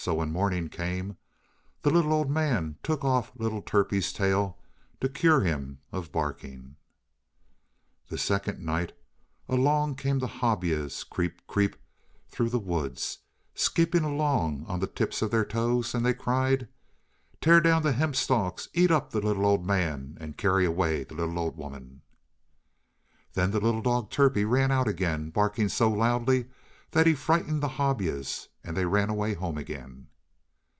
So when morning came, the little old man took off little Turpie's tail to cure him of barking. The second night along came the Hobyahs, creep, creep, through the woods, skipping along on the tips of their toes, and they cried: "Tear down the hemp stalks. Eat up the little old man, and carry away the little old woman." Then the little dog Turpie ran out again, barking so loudly that he frightened the Hobyahs, and they ran away home again.